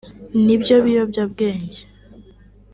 n’ibyo biyobyabwenge